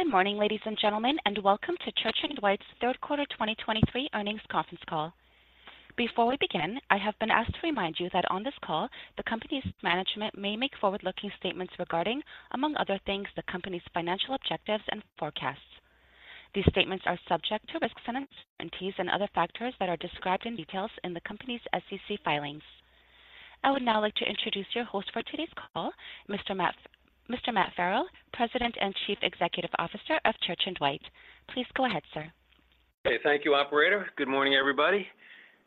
Good morning, ladies and gentlemen, and welcome to Church & Dwight's Q3 2023 earnings conference call. Before we begin, I have been asked to remind you that on this call, the company's management may make forward-looking statements regarding, among other things, the company's financial objectives and forecasts. These statements are subject to risks and uncertainties and other factors that are described in detail in the company's SEC filings. I would now like to introduce your host for today's call, Mr. Matt Farrell, President and Chief Executive Officer of Church & Dwight. Please go ahead, sir. Okay. Thank you, operator. Good morning, everybody,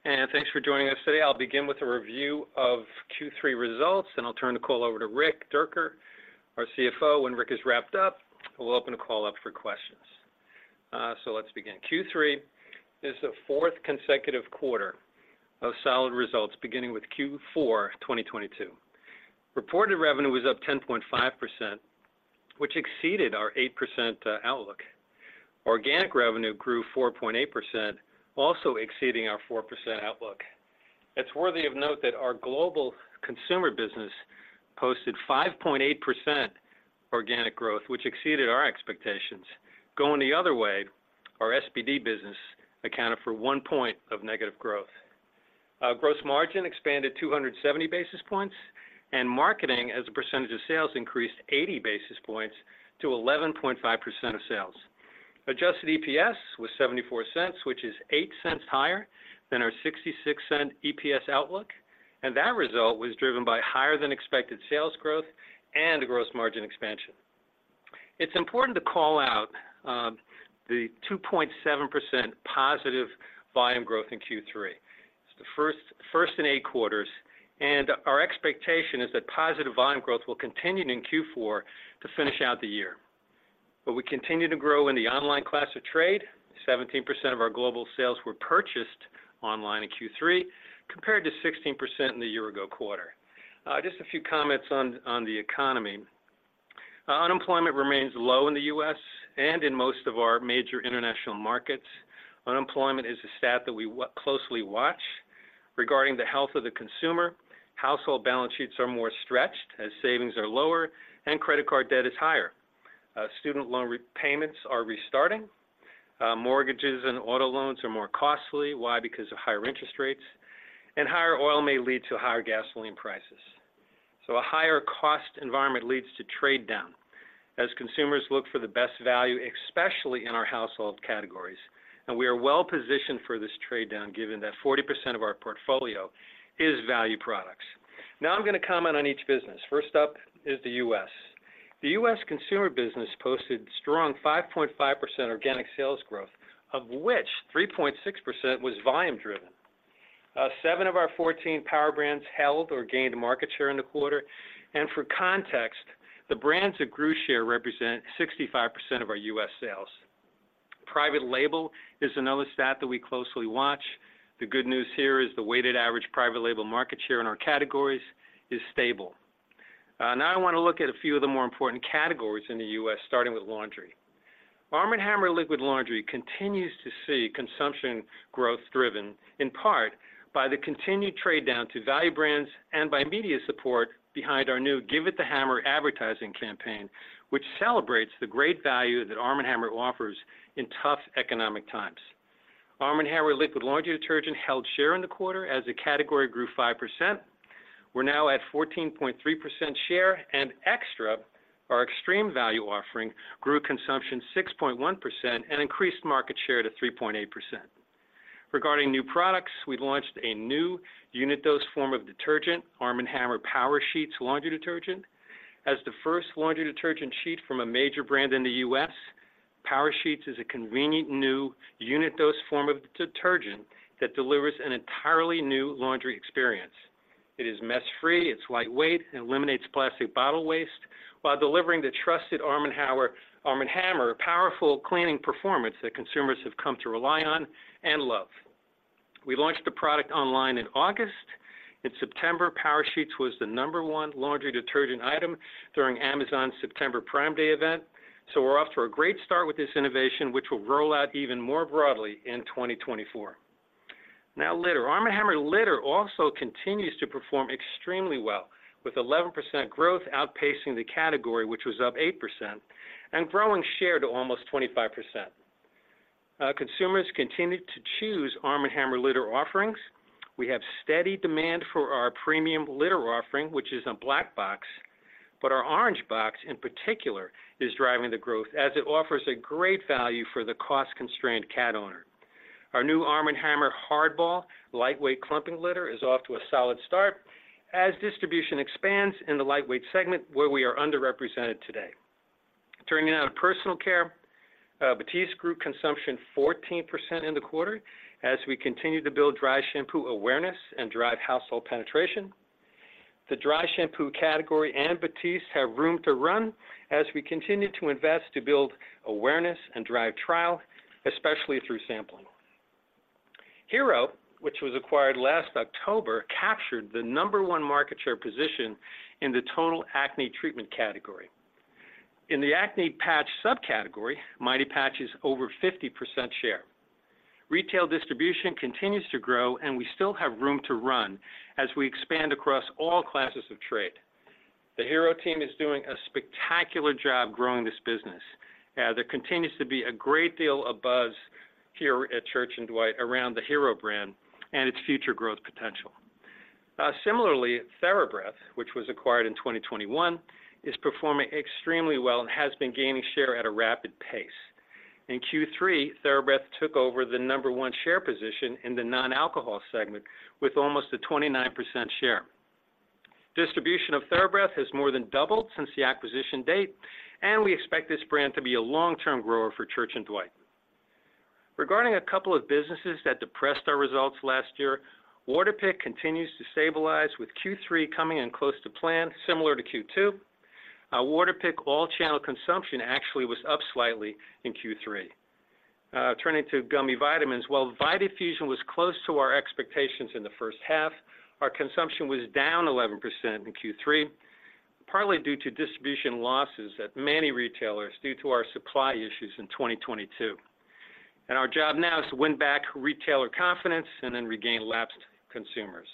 and thanks for joining us today. I'll begin with a review of Q3 results, and I'll turn the call over to Rick Dierker, our CFO. When Rick is wrapped up, we'll open the call up for questions. So let's begin. Q3 is the fourth consecutive quarter of solid results, beginning with Q4, 2022. Reported revenue was up 10.5%, which exceeded our 8% outlook. Organic revenue grew 4.8%, also exceeding our 4% outlook. It's worthy of note that our global consumer business posted 5.8% organic growth, which exceeded our expectations. Going the other way, our SPD business accounted for one point of negative growth. Our gross margin expanded 270 basis points, and marketing as a percentage of sales increased 80 basis points to 11.5% of sales. Adjusted EPS was $0.74, which is 8 cents higher than our 66-cent EPS outlook, and that result was driven by higher than expected sales growth and a gross margin expansion. It's important to call out the 2.7% positive volume growth in Q3. It's the first in 8 quarters, and our expectation is that positive volume growth will continue in Q4 to finish out the year. We continue to grow in the online class of trade. 17% of our global sales were purchased online in Q3, compared to 16% in the year ago quarter. Just a few comments on the economy. Unemployment remains low in the U.S. and in most of our major international markets. Unemployment is a stat that we closely watch regarding the health of the consumer. Household balance sheets are more stretched as savings are lower and credit card debt is higher. Student loan repayments are restarting. Mortgages and auto loans are more costly. Why? Because of higher interest rates, and higher oil may lead to higher gasoline prices. So a higher cost environment leads to trade down as consumers look for the best value, especially in our household categories, and we are well positioned for this trade down, given that 40% of our portfolio is value products. Now, I'm going to comment on each business. First up is the U.S. The U.S. consumer business posted strong 5.5% organic sales growth, of which 3.6% was volume driven. Seven of our 14 power brands held or gained market share in the quarter, and for context, the brands that grew share represent 65% of our U.S. sales. Private label is another stat that we closely watch. The good news here is the weighted average private label market share in our categories is stable. Now I want to look at a few of the more important categories in the U.S., starting with laundry. ARM & HAMMER Liquid Laundry continues to see consumption growth driven in part by the continued trade down to value brands and by media support behind our new Give It The Hammer advertising campaign, which celebrates the great value that ARM & HAMMER offers in tough economic times. ARM & HAMMER Liquid Laundry Detergent held share in the quarter as the category grew 5%. We're now at 14.3% share and XTRA, our extreme value offering, grew consumption 6.1% and increased market share to 3.8%. Regarding new products, we launched a new unit dose form of detergent, ARM & HAMMER Power Sheets Laundry Detergent. As the first laundry detergent sheet from a major brand in the U.S., Power Sheets is a convenient new unit dose form of detergent that delivers an entirely new laundry experience. It is mess-free, it's lightweight, and eliminates plastic bottle waste while delivering the trusted ARM & HAMMER, ARM & HAMMER powerful cleaning performance that consumers have come to rely on and love. We launched the product online in August. In September, Power Sheets was the No. 1 laundry detergent item during Amazon's September Prime Day event. So we're off to a great start with this innovation, which will roll out even more broadly in 2024. Now, litter. ARM & HAMMER Litter also continues to perform extremely well, with 11% growth outpacing the category, which was up 8% and growing share to almost 25%. Consumers continue to choose ARM & HAMMER Litter offerings. We have steady demand for our premium litter offering, which is a black box, but our orange box, in particular, is driving the growth as it offers a great value for the cost-constrained cat owner. Our new ARM & HAMMER Hardball lightweight clumping litter is off to a solid start as distribution expands in the lightweight segment, where we are underrepresented today. Turning now to personal care, BATISTE grew consumption 14% in the quarter as we continue to build dry shampoo awareness and drive household penetration. The dry shampoo category and BATISTE have room to run as we continue to invest to build awareness and drive trial, especially through sampling. HERO, which was acquired last October, captured the number one market share position in the total acne treatment category. In the acne patch subcategory, Mighty Patch is over 50% share... Retail distribution continues to grow, and we still have room to run as we expand across all classes of trade. The HERO team is doing a spectacular job growing this business. There continues to be a great deal of buzz here at Church & Dwight around the HERO brand and its future growth potential. Similarly, THERABREATH, which was acquired in 2021, is performing extremely well and has been gaining share at a rapid pace. In Q3, THERABREATH took over the number one share position in the non-alcohol segment with almost a 29% share. Distribution of THERABREATH has more than doubled since the acquisition date, and we expect this brand to be a long-term grower for Church & Dwight. Regarding a couple of businesses that depressed our results last year, WATERPIK continues to stabilize, with Q3 coming in close to plan, similar to Q2. WATERPIK all-channel consumption actually was up slightly in Q3. Turning to gummy vitamins, while VITAFUSION was close to our expectations in the first half, our consumption was down 11% in Q3, partly due to distribution losses at many retailers due to our supply issues in 2022. And our job now is to win back retailer confidence and then regain lapsed consumers.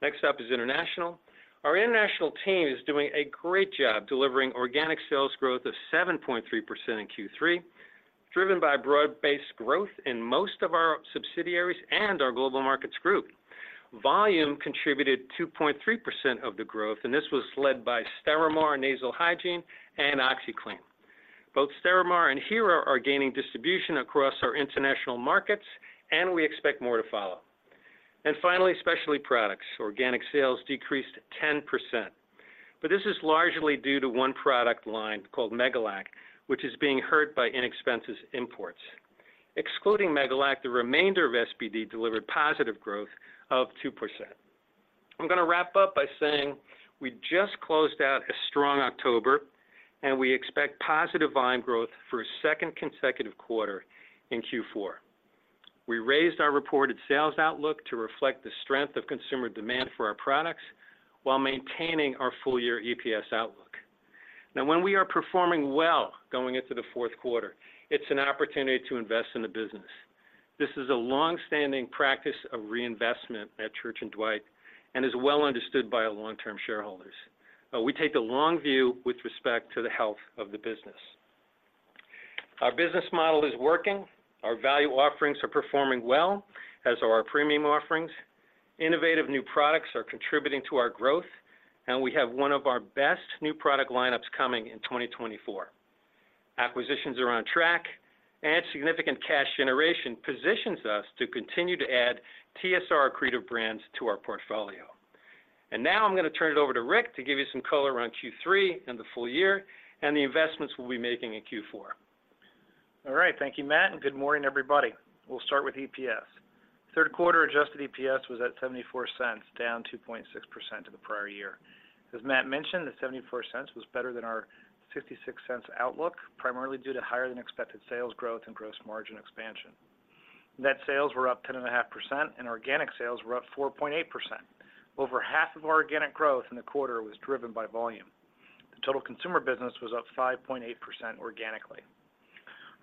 Next up is international. Our international team is doing a great job delivering organic sales growth of 7.3% in Q3, driven by broad-based growth in most of our subsidiaries and our global markets group. Volume contributed 2.3% of the growth, and this was led by Stérimar nasal hygiene and OxiClean. Both Stérimar and HERO are gaining distribution across our international markets, and we expect more to follow. And finally, specialty products. Organic sales decreased 10%, but this is largely due to one product line called Megalac, which is being hurt by inexpensive imports. Excluding Megalac, the remainder of SPD delivered positive growth of 2%. I'm gonna wrap up by saying we just closed out a strong October, and we expect positive volume growth for a second consecutive quarter in Q4. We raised our reported sales outlook to reflect the strength of consumer demand for our products while maintaining our full-year EPS outlook. Now, when we are performing well going into the Q4, it's an opportunity to invest in the business. This is a long-standing practice of reinvestment at Church & Dwight and is well understood by our long-term shareholders. We take a long view with respect to the health of the business. Our business model is working, our value offerings are performing well, as are our premium offerings. Innovative new products are contributing to our growth, and we have one of our best new product lineups coming in 2024. Acquisitions are on track, and significant cash generation positions us to continue to add TSR accretive brands to our portfolio. Now I'm gonna turn it over to Rick to give you some color around Q3 and the full year, and the investments we'll be making in Q4. All right, thank you, Matt, and good morning, everybody. We'll start with EPS. Q3 adjusted EPS was at $0.74, down 2.6% to the prior year. As Matt mentioned, the $0.74 was better than our $0.56 outlook, primarily due to higher than expected sales growth and gross margin expansion. Net sales were up 10.5%, and organic sales were up 4.8%. Over half of our organic growth in the quarter was driven by volume. The total consumer business was up 5.8% organically.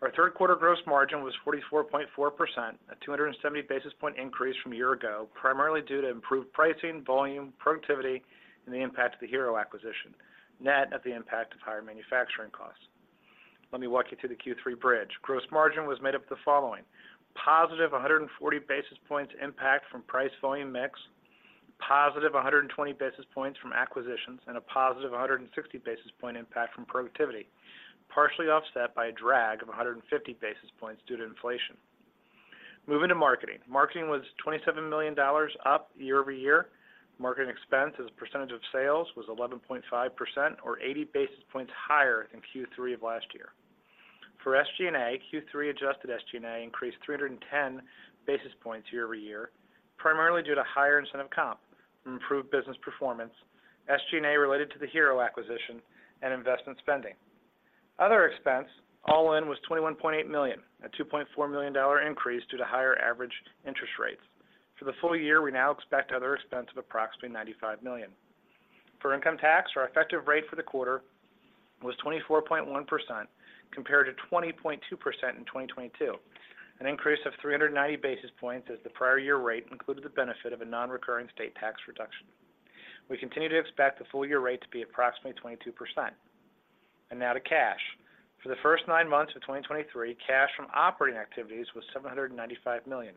Our Q3 gross margin was 44.4%, a 270 basis point increase from a year ago, primarily due to improved pricing, volume, productivity, and the impact of the HERO acquisition, net of the impact of higher manufacturing costs. Let me walk you through the Q3 bridge. Gross margin was made up of the following: positive 140 basis points impact from price volume mix, positive 120 basis points from acquisitions, and a positive 160 basis point impact from productivity, partially offset by a drag of 150 basis points due to inflation. Moving to marketing. Marketing was $27 million, up year-over-year. Marketing expense as a percentage of sales was 11.5% or 80 basis points higher than Q3 of last year. For SG&A, Q3 adjusted SG&A increased 310 basis points year-over-year, primarily due to higher incentive comp from improved business performance, SG&A related to the HERO acquisition and investment spending. Other expense, all in, was $21.8 million, a $2.4 million dollar increase due to higher average interest rates. For the full year, we now expect other expense of approximately $95 million. For income tax, our effective rate for the quarter was 24.1%, compared to 20.2% in 2022, an increase of 390 basis points, as the prior year rate included the benefit of a non-recurring state tax reduction. We continue to expect the full year rate to be approximately 22%. And now to cash. For the first nine months of 2023, cash from operating activities was $795 million,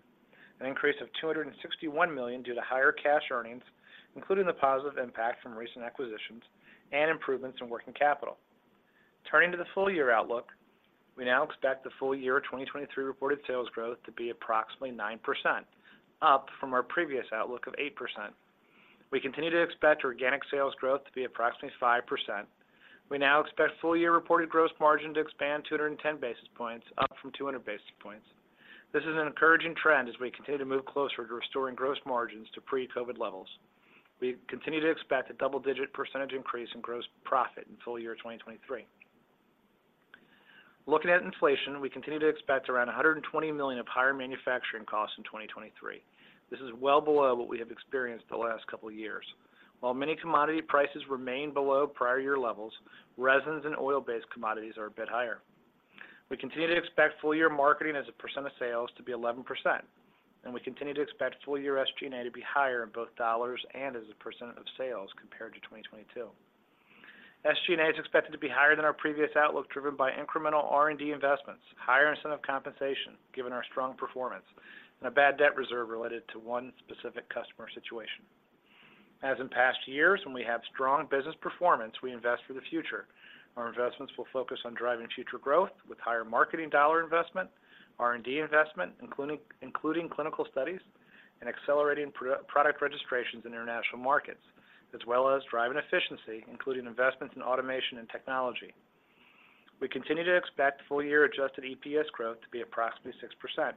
an increase of $261 million due to higher cash earnings, including the positive impact from recent acquisitions and improvements in working capital. Turning to the full-year outlook, we now expect the full year 2023 reported sales growth to be approximately 9%, up from our previous outlook of 8%. We continue to expect organic sales growth to be approximately 5%. We now expect full-year reported gross margin to expand 210 basis points, up from 200 basis points. This is an encouraging trend as we continue to move closer to restoring gross margins to pre-COVID levels. We continue to expect a double-digit % increase in gross profit in full year 2023. Looking at inflation, we continue to expect around $120 million of higher manufacturing costs in 2023. This is well below what we have experienced the last couple of years. While many commodity prices remain below prior year levels, resins and oil-based commodities are a bit higher. We continue to expect full year marketing as a percent of sales to be 11%, and we continue to expect full year SG&A to be higher in both dollars and as a percent of sales compared to 2022. SG&A is expected to be higher than our previous outlook, driven by incremental R&D investments, higher incentive compensation, given our strong performance, and a bad debt reserve related to one specific customer situation. As in past years, when we have strong business performance, we invest for the future. Our investments will focus on driving future growth with higher marketing dollar investment, R&D investment, including clinical studies, and accelerating product registrations in international markets, as well as driving efficiency, including investments in automation and technology. We continue to expect full year adjusted EPS growth to be approximately 6%.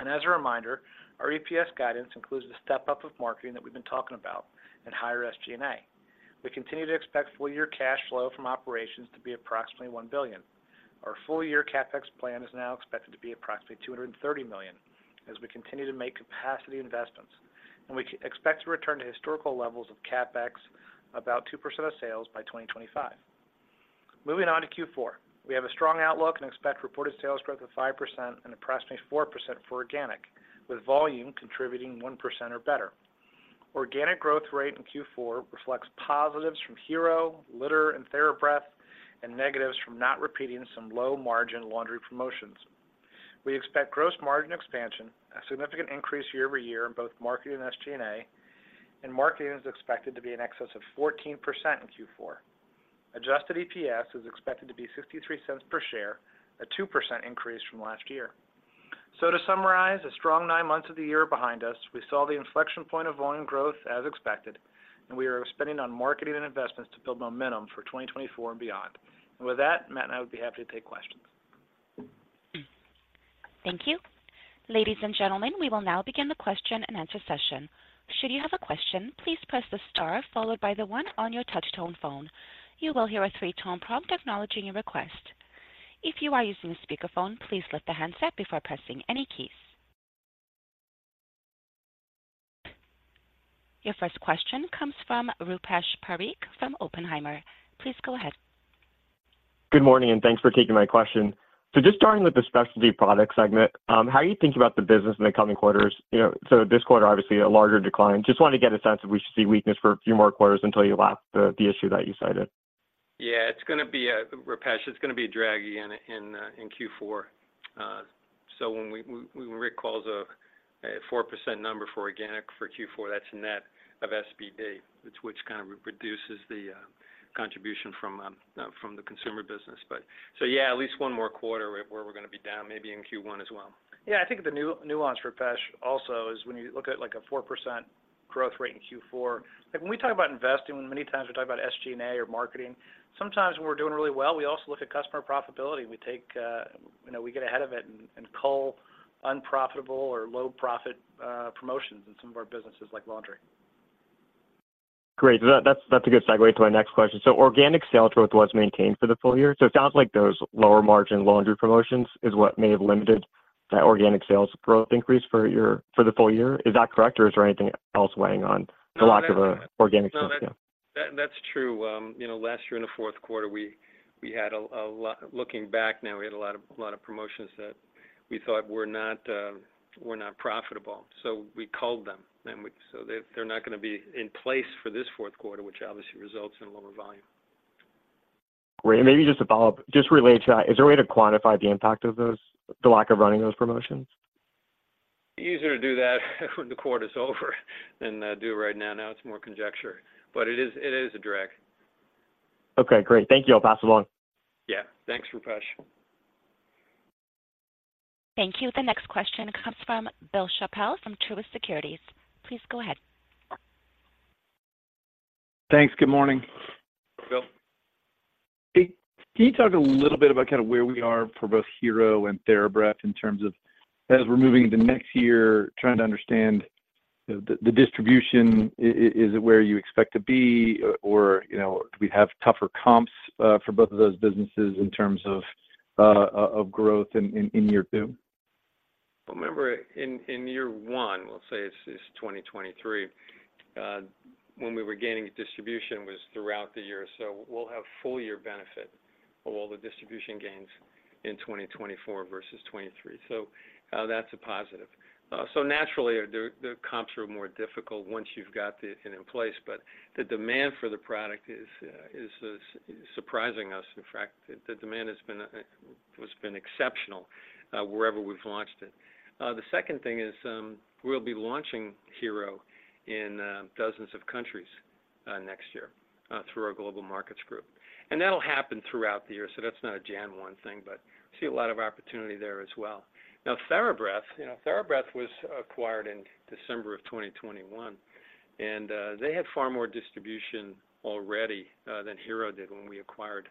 And as a reminder, our EPS guidance includes the step-up of marketing that we've been talking about and higher SG&A. We continue to expect full year cash flow from operations to be approximately $1 billion. Our full-year CapEx plan is now expected to be approximately $230 million as we continue to make capacity investments, and we expect to return to historical levels of CapEx, about 2% of sales by 2025. Moving on to Q4, we have a strong outlook and expect reported sales growth of 5% and approximately 4% for organic, with volume contributing 1% or better. Organic growth rate in Q4 reflects positives from HERO Litter, and THERABREATH, and negatives from not repeating some low-margin laundry promotions. We expect gross margin expansion, a significant increase year-over-year in both marketing and SG&A, and marketing is expected to be in excess of 14% in Q4. Adjusted EPS is expected to be $0.63 per share, a 2% increase from last year. To summarize, a strong 9 months of the year behind us, we saw the inflection point of volume growth as expected, and we are spending on marketing and investments to build momentum for 2024 and beyond. With that, Matt and I would be happy to take questions. Thank you. Ladies and gentlemen, we will now begin the question-and-answer session. Should you have a question, please press the star followed by the one on your touch tone phone. You will hear a three-tone prompt acknowledging your request. If you are using a speakerphone, please lift the handset before pressing any keys. Your first question comes from Rupesh Parikh from Oppenheimer. Please go ahead. Good morning, and thanks for taking my question. So just starting with the Specialty Products segment, how are you thinking about the business in the coming quarters? You know, so this quarter, obviously a larger decline. Just want to get a sense if we should see weakness for a few more quarters until you lap the issue that you cited. Yeah, it's gonna be, Rupesh, it's gonna be a drag in Q4. So when we when Rick calls a 4% number for organic for Q4, that's net of SPD, it's which kind of reduces the contribution from the consumer business. But. So, yeah, at least one more quarter where we're gonna be down, maybe in Q1 as well. Yeah, I think the new nuance, Rupesh, also is when you look at, like, a 4% growth rate in Q4, like, when we talk about investing, many times we talk about SG&A or marketing. Sometimes when we're doing really well, we also look at customer profitability, and we take, you know, we get ahead of it and cull unprofitable or low-profit promotions in some of our businesses, like laundry. Great. So that's a good segue to my next question. So organic sales growth was maintained for the full year. So it sounds like those lower-margin laundry promotions is what may have limited that organic sales growth increase for the full year. Is that correct, or is there anything else weighing on the lack of organic growth? Yeah. That, that's true. You know, last year in the Q4, looking back now, we had a lot of promotions that we thought were not profitable. So we culled them, and so they're not gonna be in place for this Q4, which obviously results in lower volume. Great. And maybe just a follow-up, just related to that, is there a way to quantify the impact of those, the lack of running those promotions? Easier to do that when the quarter is over than do it right now. Now it's more conjecture, but it is, it is a drag. Okay, great. Thank you. I'll pass it along. Yeah. Thanks, Rupesh. Thank you. The next question comes from Bill Chappell from Truist Securities. Please go ahead. Thanks. Good morning. Bill. Hey, can you talk a little bit about kind of where we are for both HERO and TheraBreath in terms of, as we're moving into next year, trying to understand the distribution. Is it where you expect to be, or, you know, do we have tougher comps for both of those businesses in terms of of growth in year two? Well, remember, in year one, we'll say it's 2023, when we were gaining distribution throughout the year, so we'll have full year benefit of all the distribution gains in 2024 versus 2023. So, that's a positive. So naturally, the comps are more difficult once you've got it in place, but the demand for the product is surprising us. In fact, the demand has been exceptional wherever we've launched it. The second thing is, we'll be launching HERO in dozens of countries next year through our global markets group. And that'll happen throughout the year, so that's not a January 1 thing, but we see a lot of opportunity there as well. Now, THERABREATH, you know, THERABREATH was acquired in December of 2021, and they had far more distribution already than HERO did when we acquired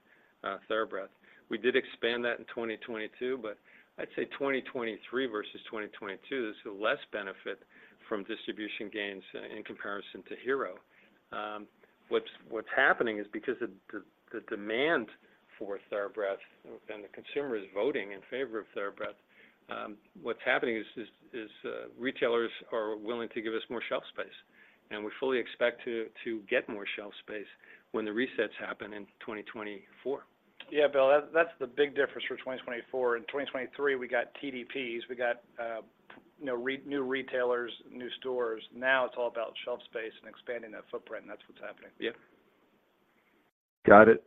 THERABREATH. We did expand that in 2022, but I'd say 2023 versus 2022, there's less benefit from distribution gains in comparison to HERO. What's happening is because of the demand for THERABREATH, and the consumer is voting in favor of THERABREATH, what's happening is retailers are willing to give us more shelf space, and we fully expect to get more shelf space when the resets happen in 2024. Yeah, Bill, that's the big difference for 2024. In 2023, we got TDPs, we got, you know, renew retailers, new stores. Now it's all about shelf space and expanding that footprint, and that's what's happening. Yep. Got it.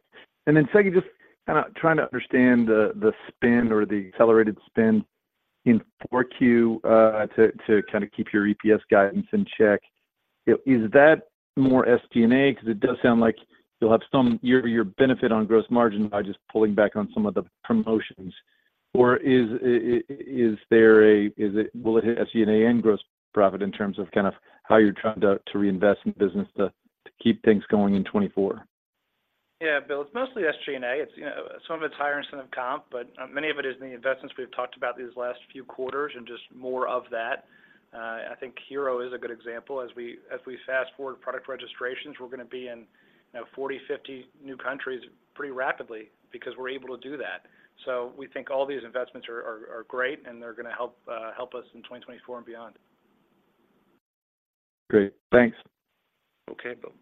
And then second, just kinda trying to understand the spend or the accelerated spend in Q4 to kinda keep your EPS guidance in check. You know, is that more SG&A? 'Cause it does sound like you'll have some... Your benefit on gross margin by just pulling back on some of the promotions. Or is there – is it – will it hit SG&A and gross profit in terms of kind of how you're trying to reinvest in business to keep things going in 2024? Yeah, Bill, it's mostly SG&A. It's, you know, some of it's higher incentive comp, but many of it is in the investments we've talked about these last few quarters and just more of that. I think HERO is a good example. As we fast forward product registrations, we're gonna be in, you know, 40, 50 new countries pretty rapidly because we're able to do that. So we think all these investments are great, and they're gonna help us in 2024 and beyond. Great. Thanks. Okay, Bill.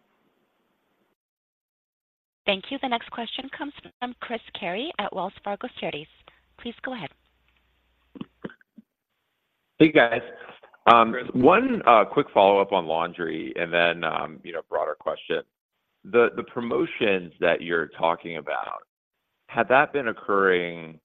Thank you. The next question comes from Chris Carey at Wells Fargo Securities. Please go ahead. Hey, guys. Chris. One quick follow-up on laundry and then, you know, broader question. The promotions that you're talking about, had that been occurring,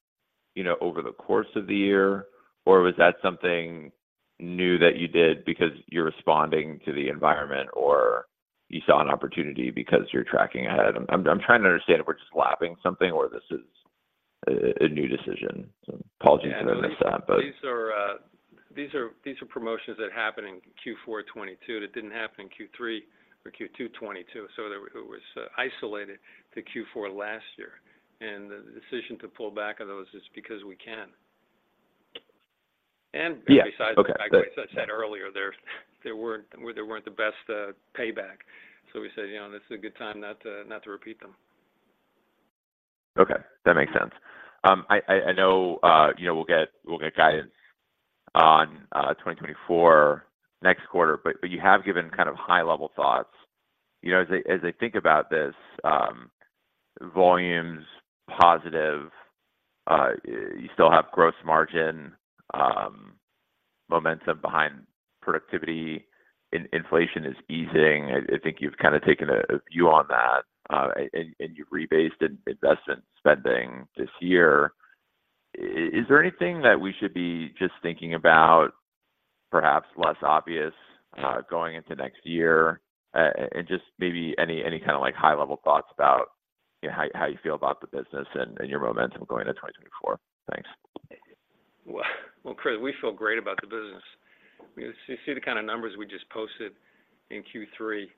you know, over the course of the year, or was that something new that you did because you're responding to the environment, or you saw an opportunity because you're tracking ahead? I'm trying to understand if we're just lapping something or this is a new decision. So apologies if I missed that, but- These are promotions that happened in Q4 2022. That didn't happen in Q3 or Q2 2022, so it was isolated to Q4 last year. And the decision to pull back on those is because we can. Yeah, okay. And besides, like I said earlier, they weren't the best payback. So we said, "You know, this is a good time not to repeat them. Okay, that makes sense. I know, you know, we'll get guidance on 2024 next quarter, but you have given kind of high-level thoughts. You know, as I think about this, volumes positive, you still have gross margin momentum behind productivity, inflation is easing. I think you've kinda taken a view on that, and you've rebased in investment spending this year. Is there anything that we should be just thinking about, perhaps less obvious, going into next year? And just maybe any kinda like high-level thoughts about, you know, how you feel about the business and your momentum going to 2024? Thanks. Well, well, Chris, we feel great about the business. You see the kinda numbers we just posted in Q3,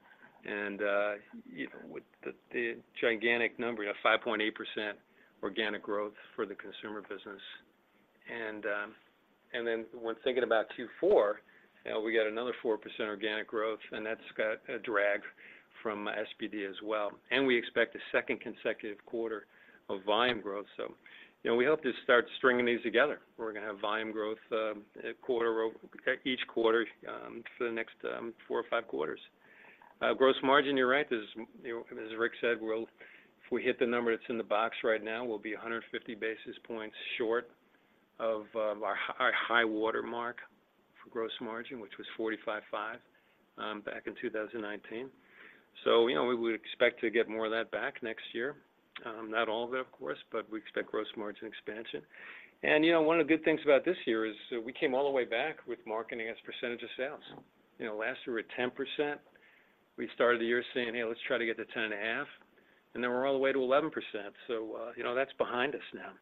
and you with the gigantic number, you know, 5.8% organic growth for the consumer business. Then when thinking about Q4, we got another 4% organic growth, and that's got a drag from SBD as well, and we expect a second consecutive quarter of volume growth. So, you know, we hope to start stringing these together. We're gonna have volume growth quarter over each quarter for the next 4 or 5 quarters. Gross margin, you're right. There's... You know, as Rick said, we'll, if we hit the number that's in the box right now, we'll be 150 basis points short of our high water mark for gross margin, which was 45.5 back in 2019. So, you know, we would expect to get more of that back next year. Not all of it, of course, but we expect gross margin expansion. And, you know, one of the good things about this year is we came all the way back with marketing as percentage of sales. You know, last year we were at 10%. We started the year saying, "Hey, let's try to get to 10.5," and then we're all the way to 11%, so, you know, that's behind us now.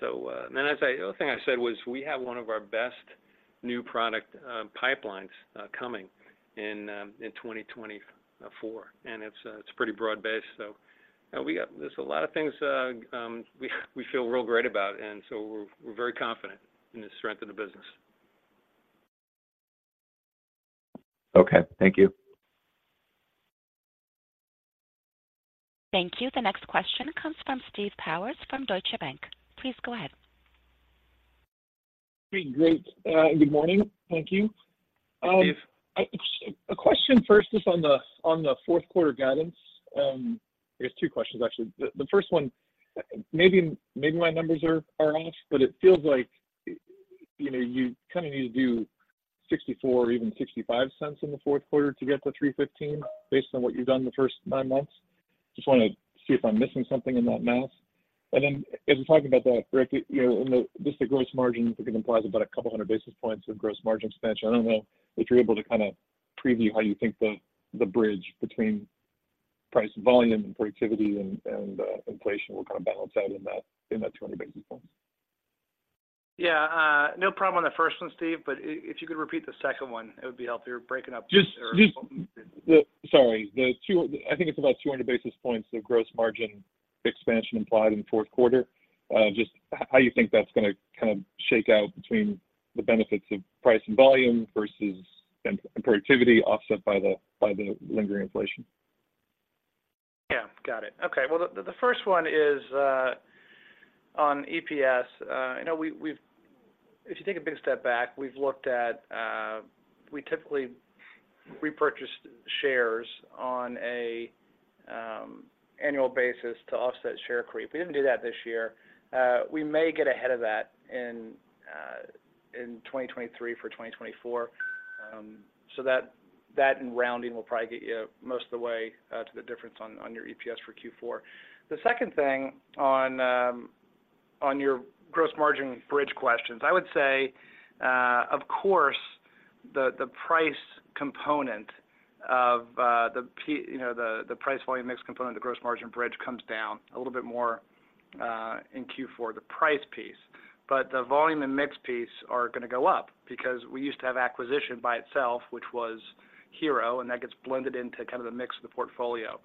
So, the other thing I said was, we have one of our best new product pipelines coming in in 2024, and it's pretty broad-based. So, there's a lot of things we feel real great about, and so we're very confident in the strength of the business. Okay, thank you. Thank you. The next question comes from Stephen Powers from Deutsche Bank. Please go ahead. Great. Good morning. Thank you. Hi, Steve. A question first, just on the Q4 guidance. I guess two questions actually. The first one, maybe my numbers are off, but it feels like, you know, you kinda need to do $0.64 or even $0.65 in the Q4 to get to $3.15, based on what you've done in the first nine months. Just wanna see if I'm missing something in that math. And then, as we talk about that, Rick, you know, in the... Just the gross margin, I think it implies about 200 basis points of gross margin expansion. I don't know if you're able to kinda preview how you think the bridge between price volume and productivity and inflation will kind of balance out in that 200 basis points. Yeah, no problem on the first one, Steve, but if you could repeat the second one, it would be helpful. You're breaking up just- Sorry. The two—I think it's about 200 basis points of gross margin expansion implied in the Q4.... just how you think that's gonna kind of shake out between the benefits of price and volume versus and productivity offset by the lingering inflation? Yeah, got it. Okay, well, the first one is on EPS. I know we, we've— If you take a big step back, we've looked at. We typically repurchased shares on a annual basis to offset share creep. We didn't do that this year. We may get ahead of that in 2023 for 2024. So that and rounding will probably get you most of the way to the difference on your EPS for Q4. The second thing on your gross margin bridge questions, I would say, of course, the price component of the price volume mix component of the gross margin bridge comes down a little bit more in Q4, the price piece. But the volume and mix piece are gonna go up because we used to have acquisition by itself, which was HERO, and that gets blended into kind of the mix of the portfolio.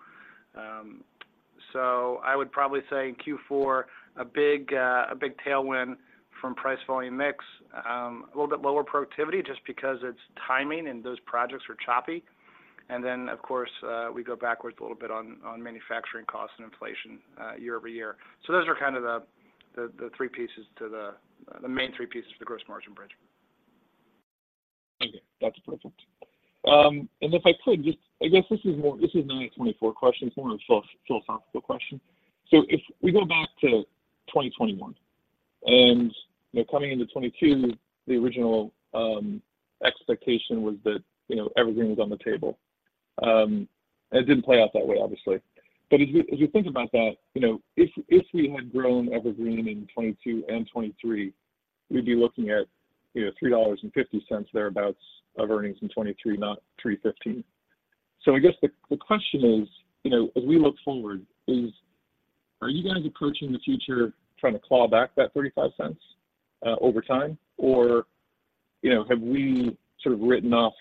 So I would probably say in Q4, a big tailwind from price volume mix. A little bit lower productivity just because it's timing and those projects were choppy. And then, of course, we go backwards a little bit on manufacturing costs and inflation year-over-year. So those are kind of the three pieces to the main three pieces of the gross margin bridge. Okay, that's perfect. And if I could just, I guess this is more, this is not a 24 question, it's more of a philosophical question. So if we go back to 2021, and, you know, coming into 2022, the original expectation was that, you know, Evergreen was on the table. It didn't play out that way, obviously. But as you, as you think about that, you know, if, if we had grown Evergreen in 2022 and 2023, we'd be looking at, you know, $3.50 thereabouts of earnings in 2023, not $3.15. So I guess the, the question is, you know, as we look forward, is, are you guys approaching the future trying to claw back that $0.35 over time? Or, you know, have we sort of written off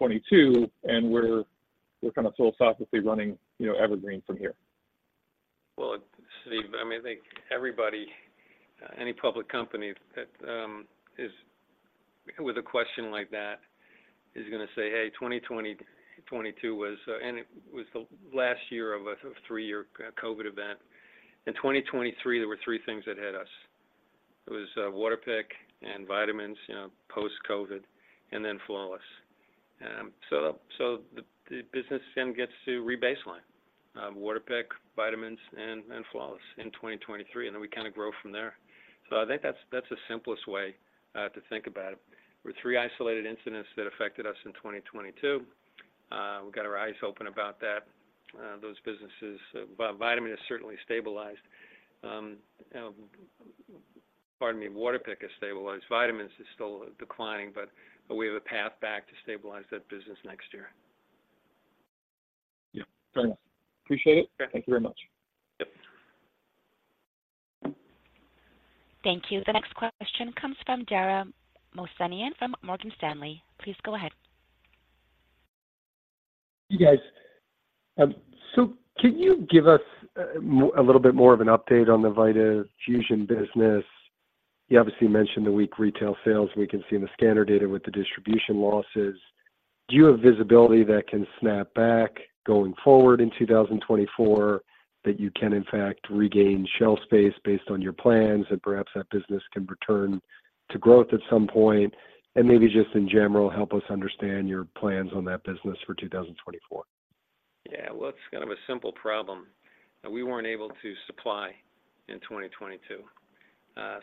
2022, and we're, we're kind of philosophically running, you know, Evergreen from here? Well, Steve, I mean, I think everybody, any public company that is with a question like that is gonna say, "Hey, 2022 was..." And it was the last year of a three-year COVID event. In 2023, there were three things that hit us. It was WATERPIK and vitamins, you know, post-COVID, and then Flawless. So the business then gets to rebaseline WATERPIK, vitamins, and Flawless in 2023, and then we kinda grow from there. So I think that's the simplest way to think about it. With three isolated incidents that affected us in 2022, we got our eyes open about that, those businesses. Vitamin has certainly stabilized. Pardon me, WATERPIK has stabilized. Vitamins is still declining, but we have a path back to stabilize that business next year. Yeah. Fair enough. Appreciate it. Sure. Thank you very much. Yep. Thank you. The next question comes from Dara Mohsenian from Morgan Stanley. Please go ahead. You guys, so can you give us a little bit more of an update on the VITAFUSION business? You obviously mentioned the weak retail sales, and we can see in the scanner data with the distribution losses. Do you have visibility that can snap back going forward in 2024, that you can, in fact, regain shelf space based on your plans, and perhaps that business can return to growth at some point? And maybe just in general, help us understand your plans on that business for 2024. Yeah, well, it's kind of a simple problem. We weren't able to supply in 2022,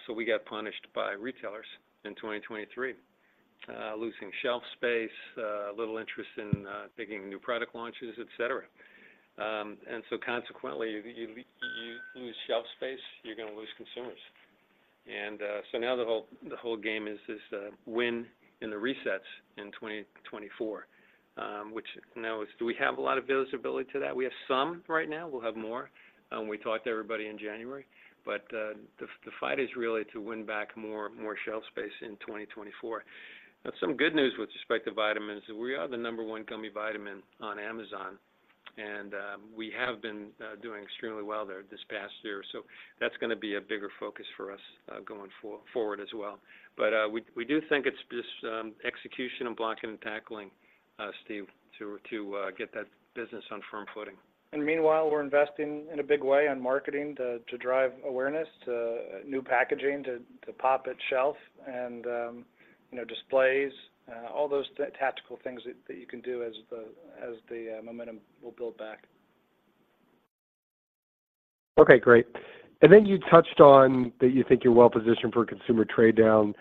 so we got punished by retailers in 2023, losing shelf space, little interest in taking new product launches, et cetera. And so consequently, you lose shelf space, you're gonna lose consumers. So now the whole game is win in the resets in 2024. Which now is, do we have a lot of visibility to that? We have some right now, we'll have more, we talked to everybody in January. But the fight is really to win back more shelf space in 2024. Now, some good news with respect to vitamins, we are the number one gummy vitamin on Amazon, and we have been doing extremely well there this past year. So that's gonna be a bigger focus for us, going forward as well. But, we do think it's just execution and blocking and tackling, Steve, to get that business on firm footing. And meanwhile, we're investing in a big way on marketing to drive awareness, new packaging, to pop on shelf and, you know, displays, all those tactical things that you can do as the momentum will build back. Okay, great. And then you touched on that you think you're well positioned for consumer trade down.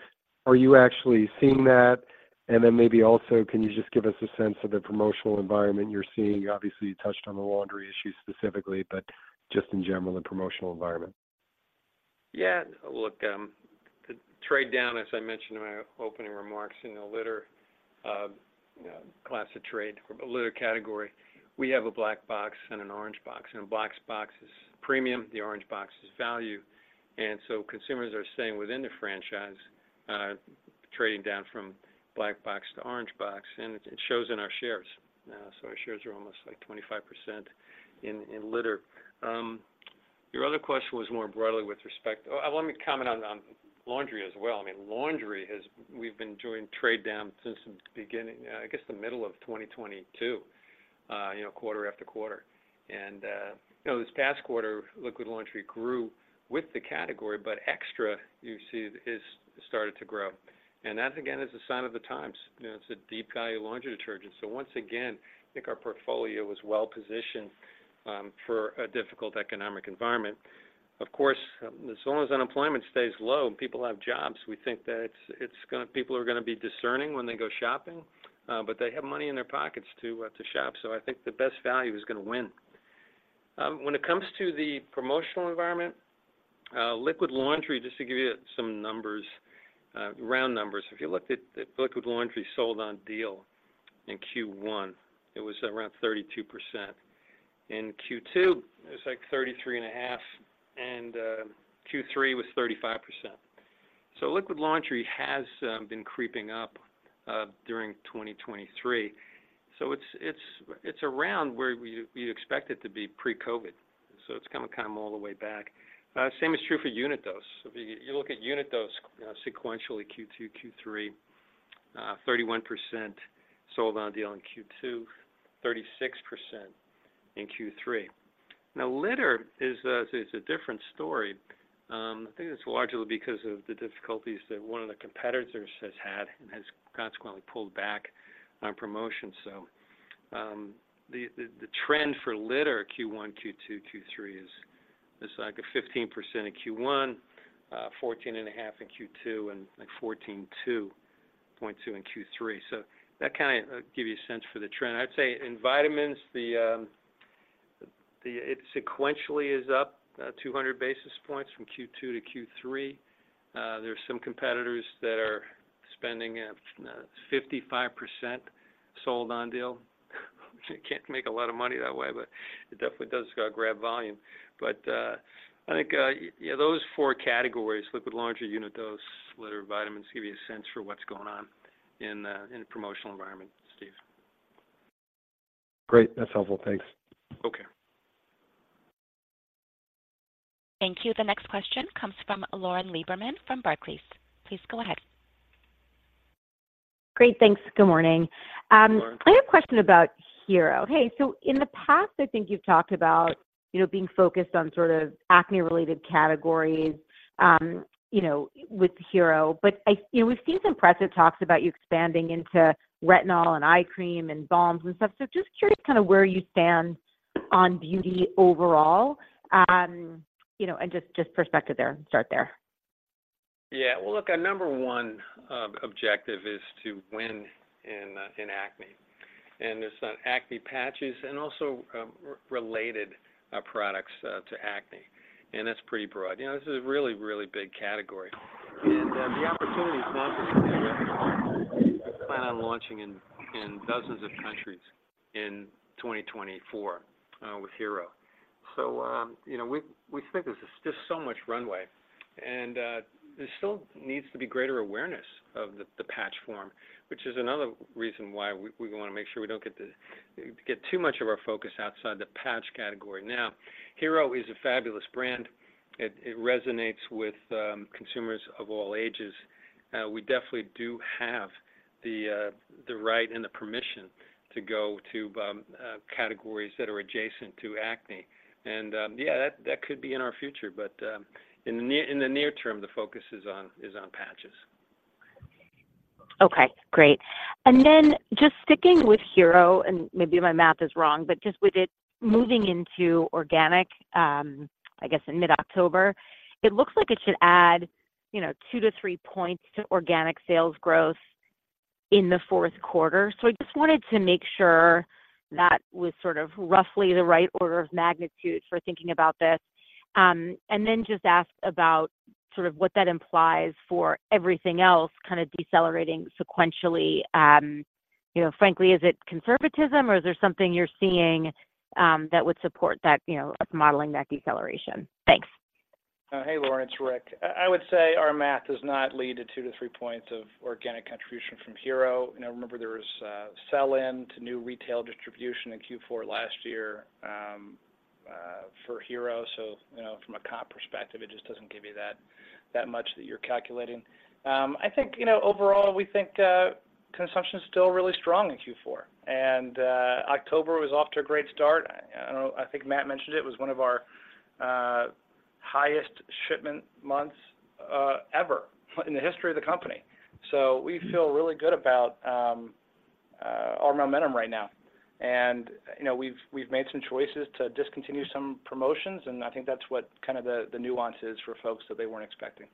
Are you actually seeing that? And then maybe also, can you just give us a sense of the promotional environment you're seeing? Obviously, you touched on the laundry issue specifically, but just in general, the promotional environment. Yeah, look, the trade down, as I mentioned in my opening remarks, in the litter, you know, class of trade or litter category, we have a black box and an orange box. And a black box is premium, the orange box is value. And so consumers are staying within the franchise, trading down from black box to orange box, and it, it shows in our shares. So our shares are almost like 25% in litter. Your other question was more broadly with respect, oh, let me comment on laundry as well. I mean, laundry has, we've been doing trade down since the beginning, I guess, the middle of 2022, you know, quarter after quarter. And, you know, this past quarter, liquid laundry grew with the category, but XTRA, you see, is started to grow. That, again, is a sign of the times. You know, it's a deep value laundry detergent. Once again, I think our portfolio was well positioned for a difficult economic environment. Of course, as long as unemployment stays low, people have jobs. We think that it's gonna people are gonna be discerning when they go shopping, but they have money in their pockets to to shop. I think the best value is gonna win. When it comes to the promotional environment, liquid laundry, just to give you some numbers, round numbers. If you looked at the liquid laundry sold on deal in Q1, it was around 32%. In Q2, it was like 33.5, and Q3 was 35%. Liquid laundry has been creeping up during 2023. So it's around where we expect it to be pre-COVID, so it's coming all the way back. Same is true for unit dose. If you look at unit dose, you know, sequentially, Q2, Q3, 31% sold on deal in Q2, 36% in Q3. Now, litter is a different story. I think it's largely because of the difficulties that one of the competitors has had and has consequently pulled back on promotion. So, the trend for litter Q1, Q2, Q3 is this like a 15% in Q1, 14.5 in Q2, and like 14.2 in Q3. So that kinda give you a sense for the trend. I'd say in vitamins, it sequentially is up, 200 basis points from Q2 to Q3. There are some competitors that are spending 55% sold on deal. You can't make a lot of money that way, but it definitely does grab volume. But I think yeah, those four categories, liquid laundry, unit dose, litter, vitamins, give you a sense for what's going on in the promotional environment, Steve. Great. That's helpful. Thanks. Okay. Thank you. The next question comes from Lauren Lieberman from Barclays. Please go ahead. Great, thanks. Good morning. Lauren. I have a question about HERO. Hey, so in the past, I think you've talked about, you know, being focused on sort of acne-related categories, you know, with HERO. But we've seen some press that talks about you expanding into retinol and eye cream and balms and stuff. So just curious kind of where you stand on beauty overall, you know, and just, just perspective there, start there. Yeah, well, look, our number one objective is to win in acne, and it's on acne patches and also related products to acne, and that's pretty broad. You know, this is a really, really big category, and the opportunity is not plan on launching in dozens of countries in 2024 with HERO. So, you know, we think there's just so much runway, and there still needs to be greater awareness of the patch form, which is another reason why we wanna make sure we don't get too much of our focus outside the patch category. Now, HERO is a fabulous brand. It resonates with consumers of all ages. We definitely do have the right and the permission to go to categories that are adjacent to acne. Yeah, that could be in our future, but in the near term, the focus is on patches. Okay, great. And then just sticking with HERO, and maybe my math is wrong, but just with it moving into organic, I guess in mid-October, it looks like it should add, you know, 2-3 points to organic sales growth in the Q4. So I just wanted to make sure that was sort of roughly the right order of magnitude for thinking about this. And then just ask about sort of what that implies for everything else kind of decelerating sequentially. You know, frankly, is it conservatism, or is there something you're seeing, that would support that, you know, modeling that deceleration? Thanks. Hey, Lauren, it's Rick. I would say our math does not lead to 2-3 points of organic contribution from HERO. You know, remember, there was a sell-in to new retail distribution in Q4 last year for HERO. So, you know, from a comp perspective, it just doesn't give you that much that you're calculating. I think, you know, overall, we think consumption is still really strong in Q4, and October was off to a great start. I think Matt mentioned it, it was one of our highest shipment months ever in the history of the company. So we feel really good about our momentum right now. And, you know, we've made some choices to discontinue some promotions, and I think that's what kind of the nuance is for folks that they weren't expecting.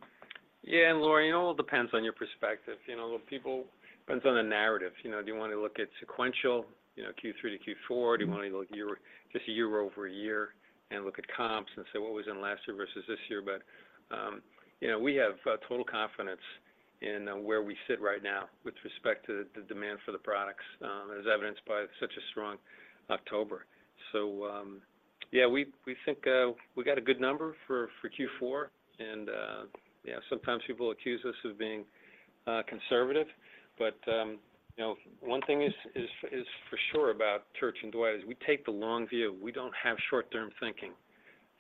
Yeah, and Lauren, it all depends on your perspective. You know, people, depends on the narrative. You know, do you want to look at sequential, you know, Q3 to Q4? Do you want to look year, just year over year and look at comps and say, what was in last year versus this year? But, you know, we have total confidence in where we sit right now with respect to the demand for the products, as evidenced by such a strong October. So, yeah, we think we got a good number for Q4, and, yeah, sometimes people accuse us of being conservative, but, you know, one thing is for sure about Church & Dwight is we take the long view. We don't have short-term thinking.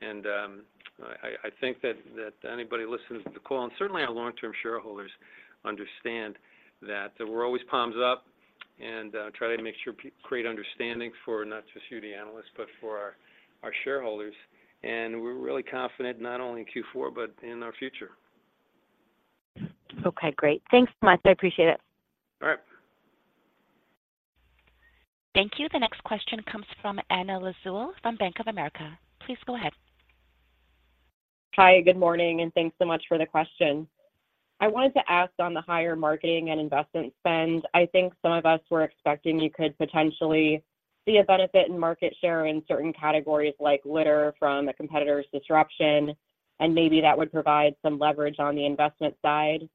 I think that anybody listening to the call, and certainly our long-term shareholders understand that we're always palms up and try to make sure create understanding for not just you, the analysts, but for our shareholders. And we're really confident, not only in Q4, but in our future. Okay, great. Thanks so much. I appreciate it. All right. Thank you. The next question comes from Anna Lizzul from Bank of America. Please go ahead. Hi, good morning, and thanks so much for the question. I wanted to ask on the higher marketing and investment spend. I think some of us were expecting you could potentially see a benefit in market share in certain categories like litter from a competitor's disruption, and maybe that would provide some leverage on the investment side.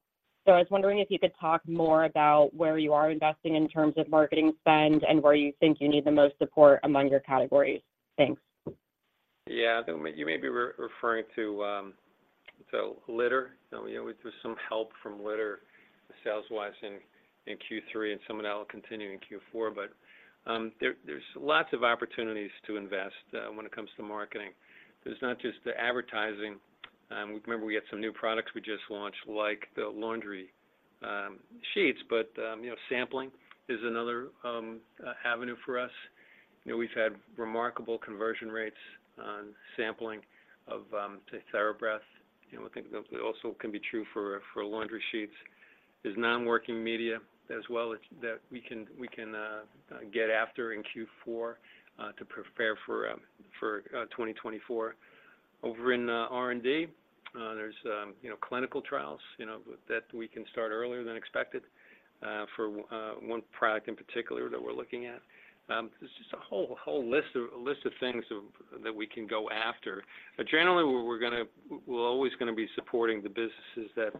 So I was wondering if you could talk more about where you are investing in terms of marketing spend and where you think you need the most support among your categories. Thanks. Yeah, you may be referring to so litter. So, you know, there's some help from litter sales wise in Q3, and some of that will continue in Q4. But, there's lots of opportunities to invest when it comes to marketing. There's not just the advertising. Remember, we got some new products we just launched, like the laundry sheets. But, you know, sampling is another avenue for us. You know, we've had remarkable conversion rates on sampling of, say, THERABREATH. You know, I think that also can be true for laundry sheets. There's non-working media as well that we can get after in Q4 to prepare for 2024. Over in R&D, there's you know, clinical trials you know that we can start earlier than expected for one product in particular that we're looking at. There's just a whole list of things that we can go after. But generally, we're gonna—we're always gonna be supporting the businesses that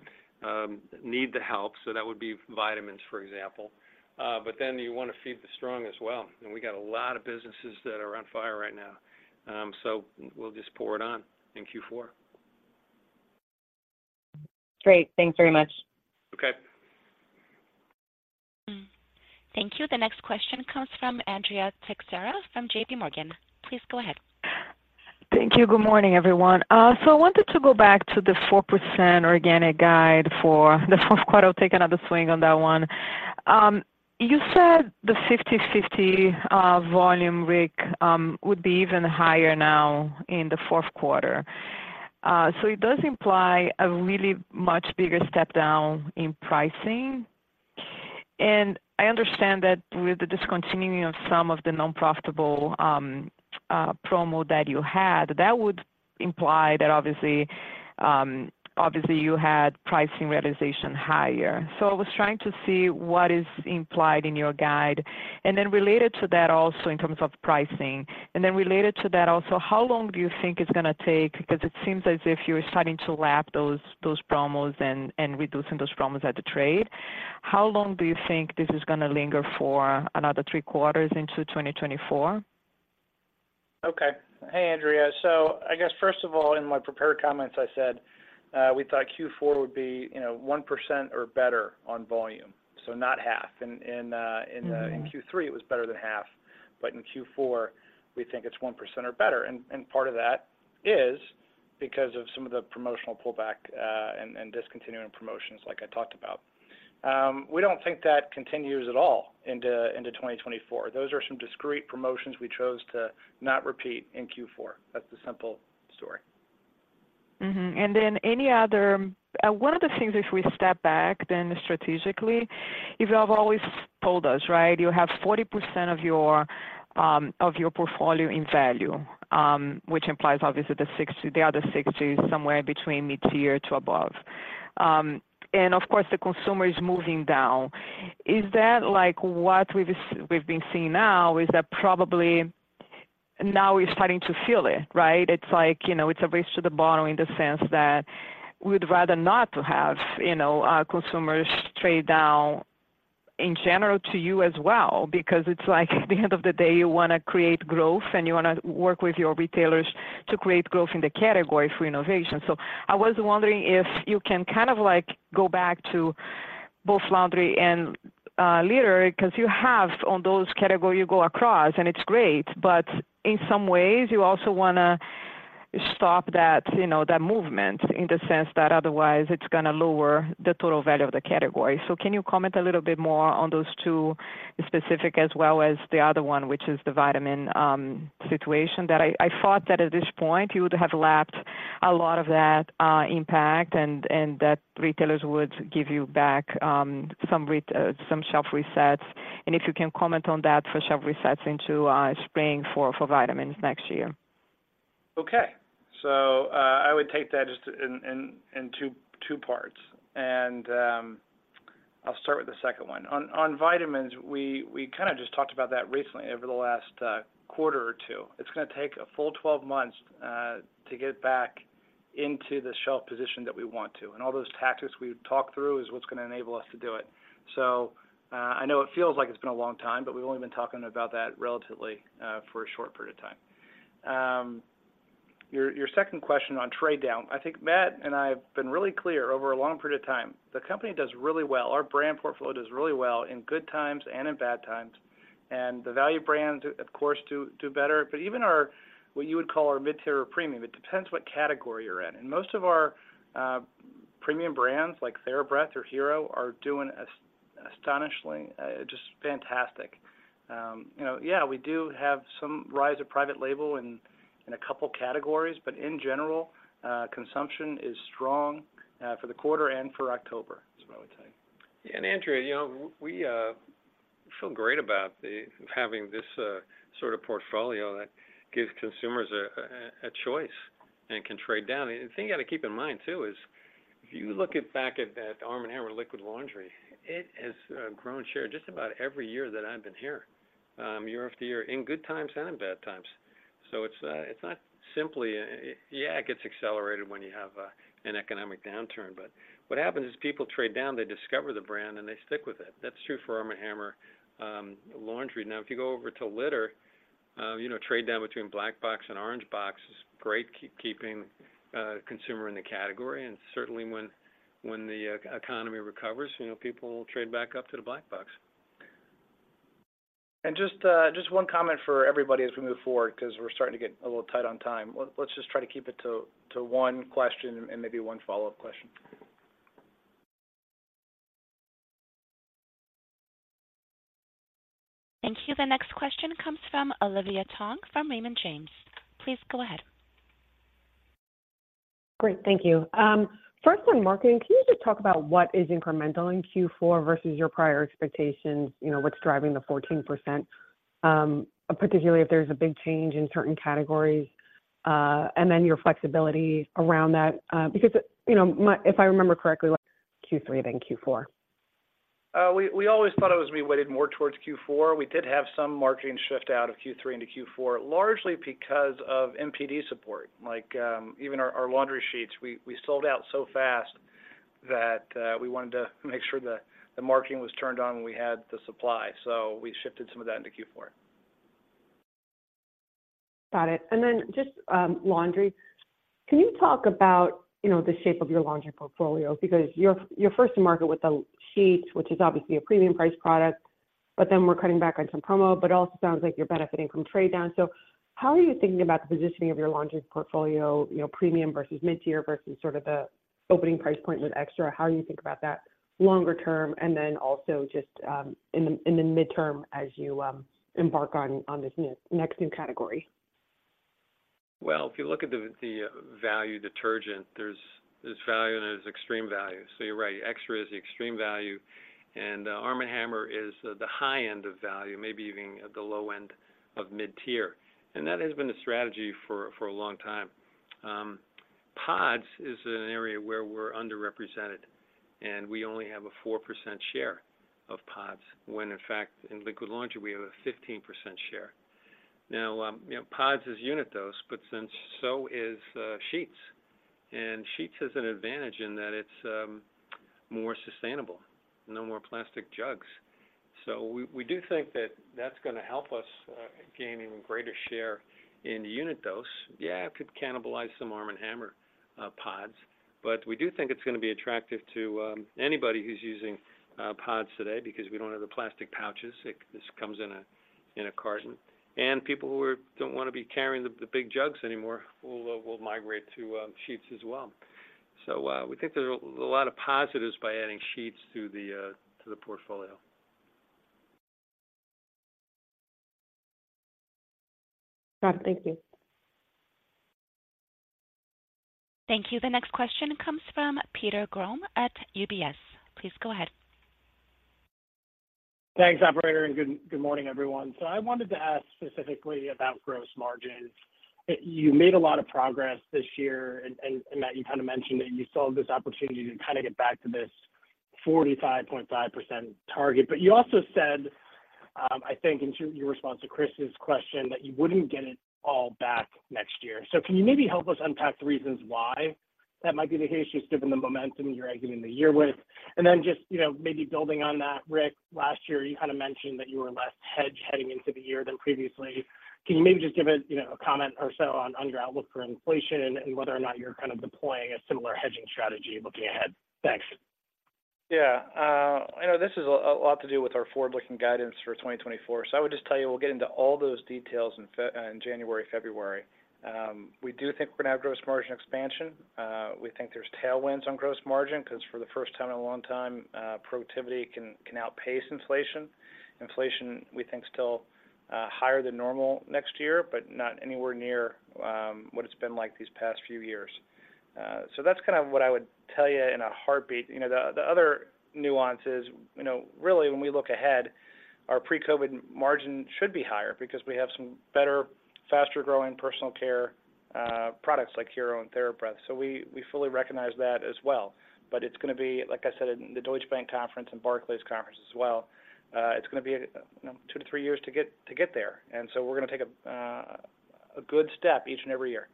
need the help, so that would be vitamins, for example. But then you want to feed the strong as well, and we got a lot of businesses that are on fire right now. So we'll just pour it on in Q4. Great. Thanks very much. Okay. Thank you. The next question comes from Andrea Teixeira, from JP Morgan. Please go ahead. Thank you. Good morning, everyone. So I wanted to go back to the 4% organic guide for the Q4. I'll take another swing on that one. You said the 50/50 volume mix would be even higher now in the Q4. So it does imply a really much bigger step down in pricing. And I understand that with the discontinuing of some of the nonprofitable promo that you had, that would imply that obviously, obviously, you had pricing realization higher. So I was trying to see what is implied in your guide. And then related to that also in terms of pricing, and then related to that also, how long do you think it's gonna take? Because it seems as if you're starting to lap those, those promos and, and reducing those promos at the trade. How long do you think this is gonna linger for, another 3 quarters into 2024? Okay. Hey, Andrea. So I guess first of all, in my prepared comments, I said, we thought Q4 would be, you know, 1% or better on volume, so not half. And in Mm-hmm. in Q3, it was better than half, but in Q4, we think it's 1% or better. And part of that is because of some of the promotional pullback, and discontinuing promotions, like I talked about. We don't think that continues at all into 2024. Those are some discrete promotions we chose to not repeat in Q4. That's the simple story. Mm-hmm. And then any other one of the things, if we step back then strategically, you have always told us, right, you have 40% of your portfolio in value, which implies obviously the 60, the other 60 is somewhere between mid-tier to above. And of course, the consumer is moving down. Is that like what we've been seeing now, is that probably now we're starting to feel it, right? It's like, you know, it's a race to the bottom in the sense that we'd rather not to have, you know, our consumers trade down in general to you as well, because it's like, at the end of the day, you wanna create growth, and you wanna work with your retailers to create growth in the category for innovation. So I was wondering if you can kind of like, go back to both laundry and litter, because you have on those categories, you go across, and it's great, but in some ways, you also wanna stop that, you know, that movement in the sense that otherwise it's gonna lower the total value of the category. So can you comment a little bit more on those two specific, as well as the other one, which is the vitamin situation? I thought that at this point, you would have lapped a lot of that impact and that retailers would give you back some shelf resets, and if you can comment on that, for shelf resets into spring for vitamins next year. Okay. So, I would take that just in two parts, and I'll start with the second one. On vitamins, we kinda just talked about that recently over the last quarter or two. It's gonna take a full twelve months to get back...... into the shelf position that we want to, and all those tactics we would talk through is what's gonna enable us to do it. So, I know it feels like it's been a long time, but we've only been talking about that relatively, for a short period of time. Your, your second question on trade down, I think Matt and I have been really clear over a long period of time, the company does really well, our brand portfolio does really well in good times and in bad times, and the value brands, of course, do, do better. But even our, what you would call our mid-tier or premium, it depends what category you're in. And most of our, premium brands, like THERABREATH or HERO, are doing as astonishingly, just fantastic. You know, yeah, we do have some rise of private label in a couple categories, but in general, consumption is strong for the quarter and for October, is what I would say. And Andrea, you know, we feel great about the having this sort of portfolio that gives consumers a choice and can trade down. The thing you got to keep in mind, too, is, if you look back at ARM & HAMMER liquid laundry, it has grown share just about every year that I've been here, year after year, in good times and in bad times. So it's not simply... Yeah, it gets accelerated when you have an economic downturn, but what happens is people trade down, they discover the brand, and they stick with it. That's true for ARM & HAMMER laundry. Now, if you go over to litter, you know, trade down between black box and orange box is great, keeping consumer in the category, and certainly when the economy recovers, you know, people will trade back up to the black box. And just, just one comment for everybody as we move forward, because we're starting to get a little tight on time. Let's just try to keep it to one question and maybe one follow-up question. Thank you. The next question comes from Olivia Tong from Raymond James. Please go ahead. Great, thank you. First on marketing, can you just talk about what is incremental in Q4 versus your prior expectations, you know, what's driving the 14%? Particularly if there's a big change in certain categories, and then your flexibility around that, because, you know, my-- if I remember correctly, Q3, then Q4. We always thought it was be weighted more towards Q4. We did have some marketing shift out of Q3 into Q4, largely because of NPD support. Like, even our laundry sheets, we sold out so fast that we wanted to make sure the marketing was turned on when we had the supply. So we shifted some of that into Q4. Got it. And then just laundry. Can you talk about, you know, the shape of your laundry portfolio? Because you're, you're first to market with the sheets, which is obviously a premium price product, but then we're cutting back on some promo, but it also sounds like you're benefiting from trade down. So how are you thinking about the positioning of your laundry portfolio, you know, premium versus mid-tier versus sort of the opening price point with XTRA? How do you think about that longer term, and then also just in the midterm as you embark on this next new category? Well, if you look at the value detergent, there's value and there's extreme value. So you're right, XTRA is the extreme value, and ARM & HAMMER is the high end of value, maybe even at the low end of mid-tier, and that has been a strategy for a long time. Pods is an area where we're underrepresented, and we only have a 4% share of pods, when in fact, in liquid laundry, we have a 15% share. Now, you know, pods is unit dose, but since so is sheets, and sheets has an advantage in that it's more sustainable, no more plastic jugs. So we do think that that's gonna help us gaining greater share in unit dose. Yeah, it could cannibalize some ARM & HAMMER pods, but we do think it's gonna be attractive to anybody who's using pods today because we don't have the plastic pouches. This comes in a carton, and people who don't wanna be carrying the big jugs anymore will migrate to sheets as well. So, we think there are a lot of positives by adding sheets to the portfolio. Got it. Thank you. Thank you. The next question comes from Peter Grom at UBS. Please go ahead. Thanks, operator, and good morning, everyone. So I wanted to ask specifically about gross margins. You made a lot of progress this year, and Matt, you kind of mentioned that you saw this opportunity to kind of get back to this 45.5% target. But you also said, I think in your response to Chris's question, that you wouldn't get it all back next year. So can you maybe help us unpack the reasons why that might be the case, just given the momentum you're ending the year with? And then just, you know, maybe building on that, Rick, last year, you kind of mentioned that you were less hedged heading into the year than previously. Can you maybe just give us, you know, a comment or so on your outlook for inflation and whether or not you're kind of deploying a similar hedging strategy looking ahead? Thanks. Yeah, I know this is a lot to do with our forward-looking guidance for 2024. So I would just tell you, we'll get into all those details in January, February. We do think we're going to have gross margin expansion. We think there's tailwinds on gross margin, 'cause for the first time in a long time, productivity can outpace inflation. Inflation, we think, still higher than normal next year, but not anywhere near what it's been like these past few years. So that's kind of what I would tell you in a heartbeat. You know, the other nuance is, you know, really, when we look ahead, our pre-COVID margin should be higher because we have some better, faster-growing personal care products like HERO and THERABREATH. So we fully recognize that as well. But it's gonna be, like I said, in the Deutsche Bank conference and Barclays conference as well. It's gonna be, you know, 2-3 years to get there. And so we're gonna take a good step each and every year....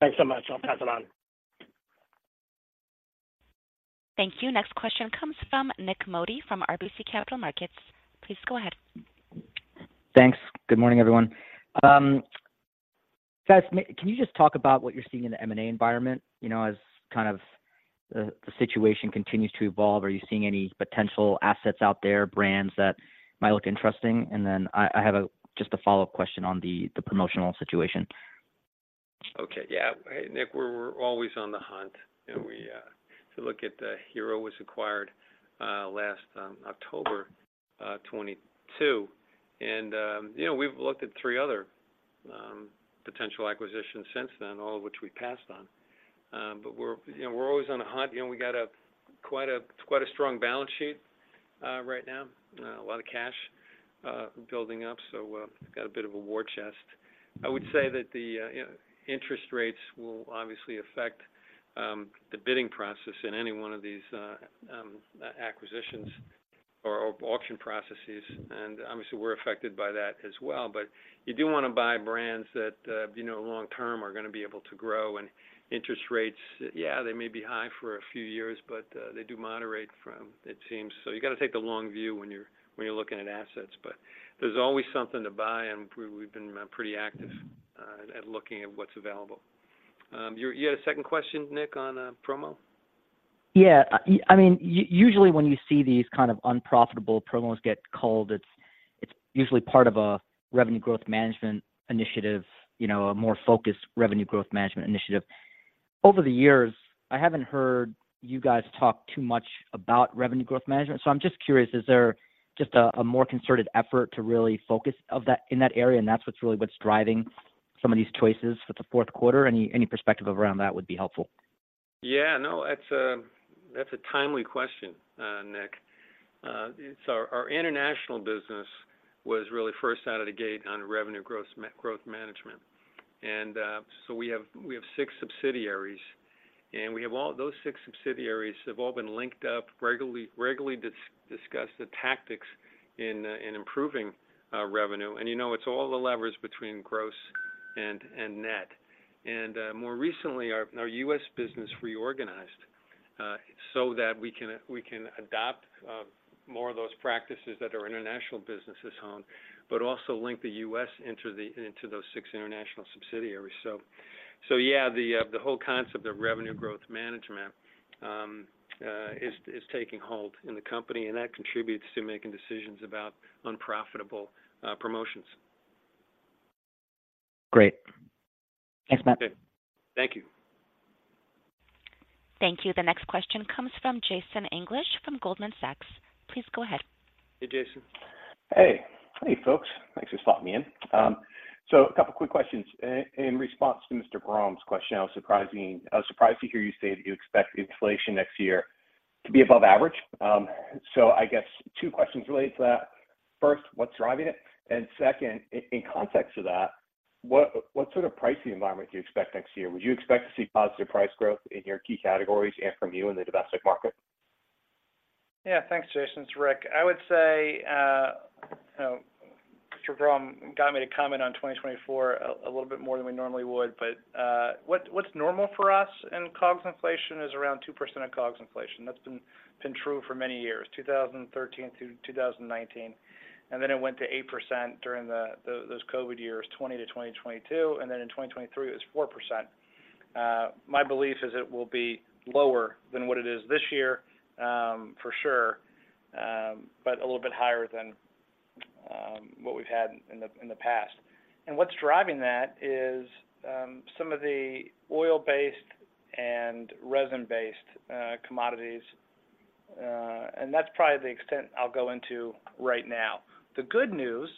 Thanks so much. I'll pass it on. Thank you. Next question comes from Nick Modi from RBC Capital Markets. Please go ahead. Thanks. Good morning, everyone. Guys, can you just talk about what you're seeing in the M&A environment? You know, as kind of the situation continues to evolve, are you seeing any potential assets out there, brands that might look interesting? And then I have just a follow-up question on the promotional situation. Okay. Yeah. Hey, Nick, we're always on the hunt, and we to look at the HERO was acquired last October 2022. And you know, we've looked at three other potential acquisitions since then, all of which we passed on. But we're you know, we're always on a hunt. You know, we got quite a strong balance sheet right now, a lot of cash building up, so we've got a bit of a war chest. I would say that the interest rates will obviously affect the bidding process in any one of these acquisitions or auction processes, and obviously we're affected by that as well. But you do want to buy brands that, you know, long term are going to be able to grow and interest rates, yeah, they may be high for a few years, but they do moderate, from it seems. So you got to take the long view when you're looking at assets. But there's always something to buy, and we, we've been pretty active at looking at what's available. You had a second question, Nick, on promo? Yeah, I mean, usually when you see these kind of unprofitable promos get called, it's usually part of a revenue growth management initiative, you know, a more focused revenue growth management initiative. Over the years, I haven't heard you guys talk too much about revenue growth management, so I'm just curious, is there just a more concerted effort to really focus of that in that area, and that's what's really driving some of these choices for the Q4? Any perspective around that would be helpful. Yeah, no, that's a timely question, Nick. So our international business was really first out of the gate on revenue growth management. We have six subsidiaries, and those six subsidiaries have all been linked up regularly to discuss the tactics in improving revenue. You know, it's all the levers between gross and net. More recently, our U.S. business reorganized so that we can adopt more of those practices that our international businesses own, but also link the U.S. into those six international subsidiaries. So, yeah, the whole concept of revenue growth management is taking hold in the company, and that contributes to making decisions about unprofitable promotions. Great. Thanks, Matt. Thank you. Thank you. The next question comes from Jason English, from Goldman Sachs. Please go ahead. Hey, Jason. Hey. Hey, folks. Thanks for slotting me in. So a couple quick questions. In response to Mr. Grom's question, I was surprised to hear you say that you expect inflation next year to be above average. So I guess two questions related to that. First, what's driving it? And second, in context of that, what sort of pricing environment do you expect next year? Would you expect to see positive price growth in your key categories and from you in the domestic market? Yeah. Thanks, Jason. It's Rick. I would say, you know, Mr. Grom got me to comment on 2024 a little bit more than we normally would, but, what, what's normal for us in COGS inflation is around 2% of COGS inflation. That's been, been true for many years, 2013 through 2019, and then it went to 8% during the, the, those COVID years, 2020 to 2022, and then in 2023, it was 4%. My belief is it will be lower than what it is this year, for sure, but a little bit higher than, what we've had in the, in the past. And what's driving that is, some of the oil-based and resin-based, commodities, and that's probably the extent I'll go into right now. The good news,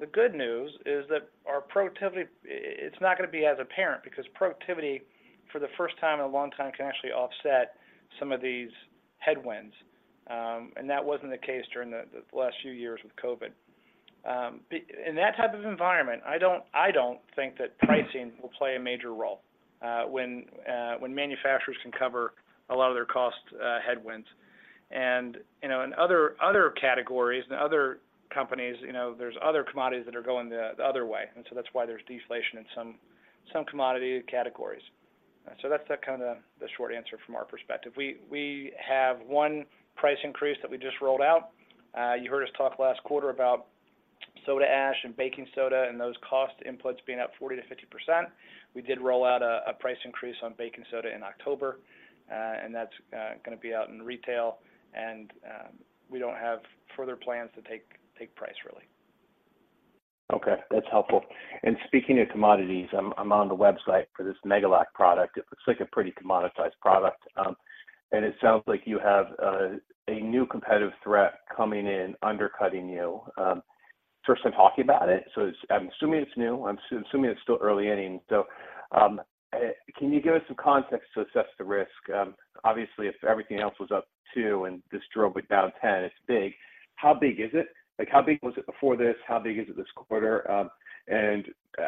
the good news is that our productivity, it's not going to be as apparent because productivity, for the first time in a long time, can actually offset some of these headwinds, and that wasn't the case during the last few years with COVID. In that type of environment, I don't, I don't think that pricing will play a major role, when, when manufacturers can cover a lot of their cost headwinds. And, you know, in other categories and other companies, you know, there's other commodities that are going the other way, and so that's why there's deflation in some commodity categories. So that's the kind of the short answer from our perspective. We have one price increase that we just rolled out. You heard us talk last quarter about soda ash and baking soda and those cost inputs being up 40%-50%. We did roll out a price increase on baking soda in October, and that's gonna be out in retail, and we don't have further plans to take price, really. Okay, that's helpful. And speaking of commodities, I'm on the website for this Megalac product. It looks like a pretty commoditized product, and it sounds like you have a new competitive threat coming in, undercutting you. First time talking about it, so it's- I'm assuming it's new. I'm assuming it's still early inning. So, can you give us some context to assess the risk? Obviously, if everything else was up to, and this drove it down ten, it's big. How big is it? Like, how big was it before this? How big is it this quarter? And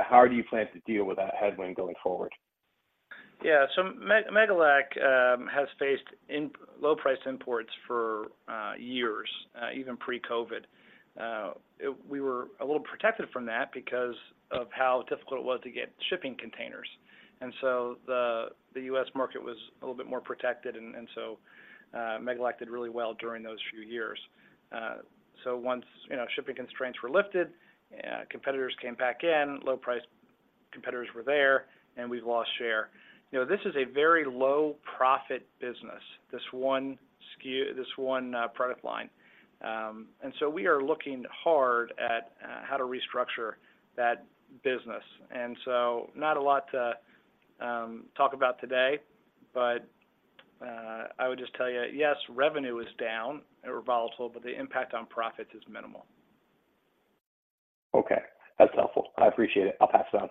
how do you plan to deal with that headwind going forward?... Yeah, so Megalac has faced low-priced imports for years, even pre-COVID. We were a little protected from that because of how difficult it was to get shipping containers. So the U.S. market was a little bit more protected, and so Megalac did really well during those few years. So once, you know, shipping constraints were lifted, competitors came back in, low-price competitors were there, and we've lost share. You know, this is a very low-profit business, this one SKU, this one product line. So we are looking hard at how to restructure that business. So not a lot to talk about today, but I would just tell you, yes, revenue is down or volatile, but the impact on profits is minimal. Okay, that's helpful. I appreciate it. I'll pass it on.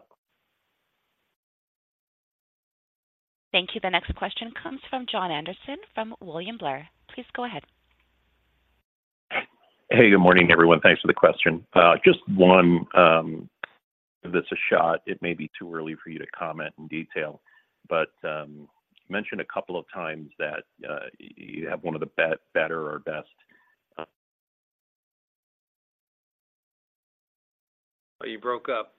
Thank you. The next question comes from Jon Andersen from William Blair. Please go ahead. Hey, good morning, everyone. Thanks for the question. Just one, give this a shot. It may be too early for you to comment in detail, but you mentioned a couple of times that you have one of the better or best. You broke up.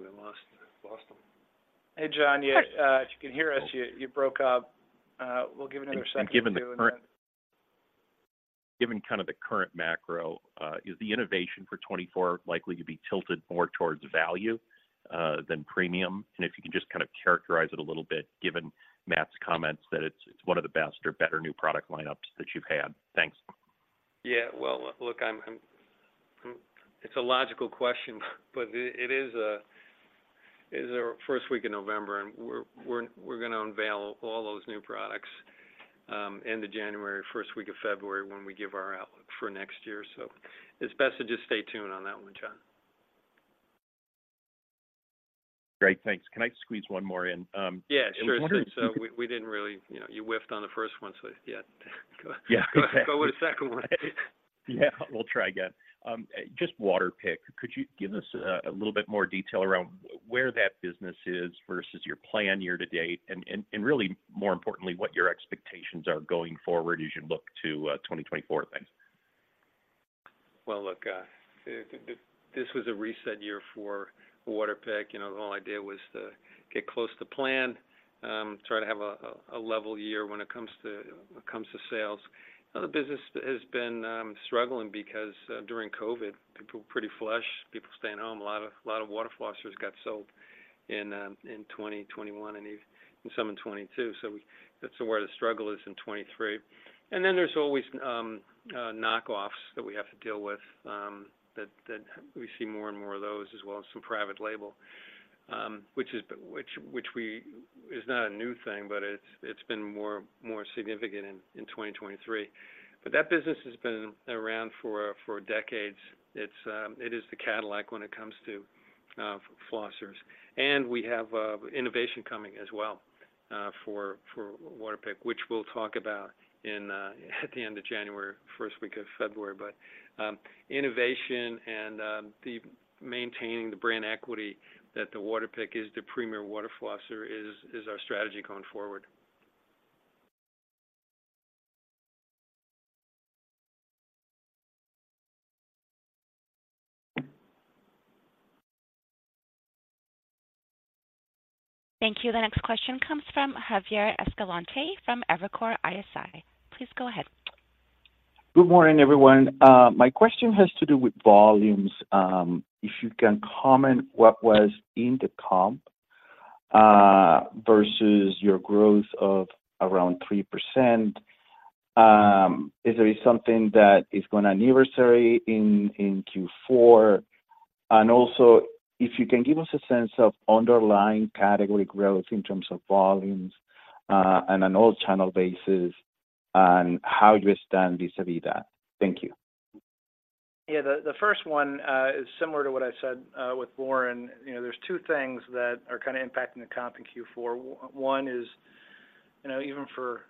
We lost him. Hey, Jon, yeah, if you can hear us, you, you broke up. We'll give it another second too, and then- Given kind of the current macro, is the innovation for 2024 likely to be tilted more towards value than premium? And if you can just kind of characterize it a little bit, given Matt's comments, that it's one of the best or better new product lineups that you've had. Thanks. Yeah, well, look, it's a logical question, but it's our first week in November, and we're gonna unveil all those new products, end of January, first week of February, when we give our outlook for next year. So it's best to just stay tuned on that one, Jon. Great. Thanks. Can I squeeze one more in? Yeah, sure. I was wondering- We didn't really, you know, you whiffed on the first one, so, yeah. Yeah, exactly. Go with the second one. Yeah, we'll try again. Just WATERPIK, could you give us a little bit more detail around where that business is versus your plan year to date, and really, more importantly, what your expectations are going forward as you look to 2024? Thanks. Well, look, this was a reset year for WATERPIK. You know, the whole idea was to get close to plan, try to have a level year when it comes to, when it comes to sales. The business has been struggling because, during COVID, people were pretty flush, people staying home. A lot of water flossers got sold in 2021 and even in some in 2022. So that's where the struggle is in 2023. And then there's always knockoffs that we have to deal with, that we see more and more of those, as well as some private label, which we... It's not a new thing, but it's been more significant in 2023. But that business has been around for decades. It's the Cadillac when it comes to flossers. We have innovation coming as well for WATERPIK, which we'll talk about at the end of January, first week of February. But innovation and maintaining the brand equity that WATERPIK is the premier water flosser is our strategy going forward. Thank you. The next question comes from Javier Escalante from Evercore ISI. Please go ahead. Good morning, everyone. My question has to do with volumes. If you can comment what was in the comp versus your growth of around 3%, is there something that is going to anniversary in Q4? And also, if you can give us a sense of underlying category growth in terms of volumes on an all-channel basis and how you stand vis-à-vis that. Thank you. Yeah, the first one is similar to what I said with Lauren. You know, there's two things that are kinda impacting the comp in Q4. One is, you know, even for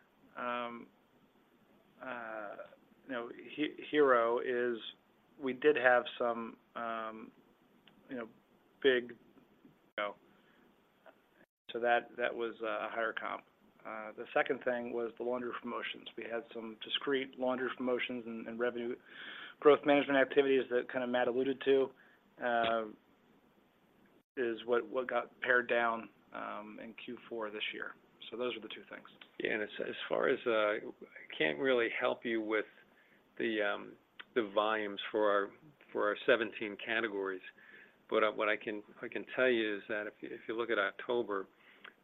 HERO we did have some, you know, big, you know, so that was a higher comp. The second thing was the laundry promotions. We had some discrete laundry promotions and revenue growth management activities that kind of Matt alluded to is what got pared down in Q4 this year. So those are the two things. Yeah, and as, as far as, I can't really help you with the, the volumes for our, for our 17 categories, but, what I can, I can tell you is that if, if you look at October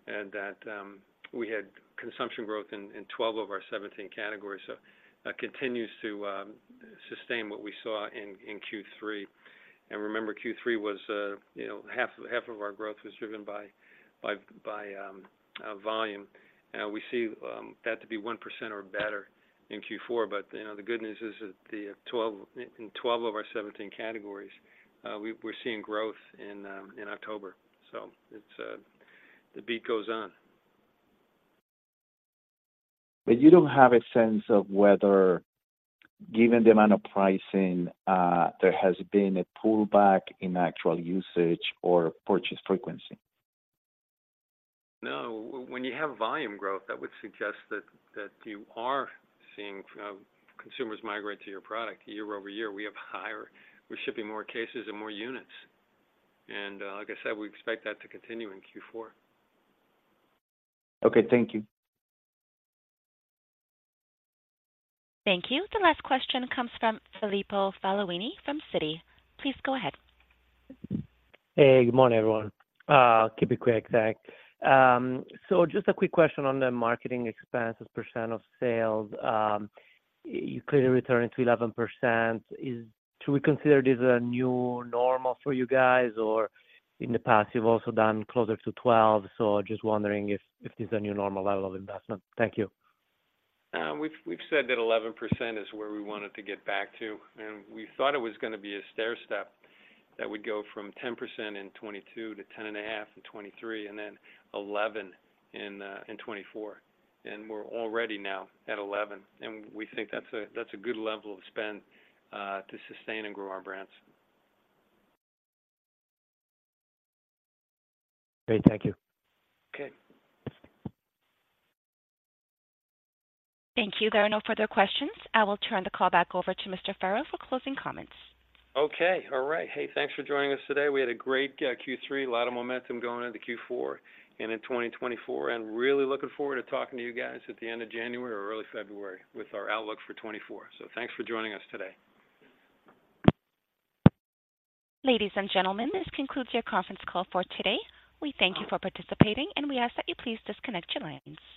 and that, we had consumption growth in, in 12 of our 17 categories, so, continues to, sustain what we saw in, in Q3. And remember, Q3 was, you know, half of our growth was driven by volume. We see that to be 1% or better in Q4. But, you know, the good news is that in 12 of our 17 categories, we're seeing growth in, in October, so it's, the beat goes on. ... But you don't have a sense of whether, given the amount of pricing, there has been a pullback in actual usage or purchase frequency? No, when you have volume growth, that would suggest that you are seeing consumers migrate to your product. Year-over-year, we have higher, we're shipping more cases and more units. And, like I said, we expect that to continue in Q4. Okay, thank you. Thank you. The last question comes from Filippo Falorni from Citi. Please go ahead. Hey, good morning, everyone. Keep it quick, thanks. So just a quick question on the marketing expenses percent of sales. You clearly returning to 11%. Should we consider this a new normal for you guys, or in the past, you've also done closer to 12? So just wondering if this is a new normal level of investment. Thank you. We've said that 11% is where we wanted to get back to, and we thought it was gonna be a stairstep that would go from 10% in 2022 to 10.5% in 2023 and then 11% in 2024. And we're already now at 11%, and we think that's a good level of spend to sustain and grow our brands. Great. Thank you. Okay. Thank you. There are no further questions. I will turn the call back over to Mr. Farrell for closing comments. Okay, all right. Hey, thanks for joining us today. We had a great Q3, a lot of momentum going into Q4 and in 2024, and really looking forward to talking to you guys at the end of January or early February with our outlook for 2024. So thanks for joining us today. Ladies and gentlemen, this concludes your conference call for today. We thank you for participating, and we ask that you please disconnect your lines.